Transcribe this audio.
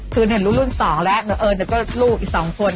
คือหนึ่งสองแล้วเรื่องลูกอีกสองคน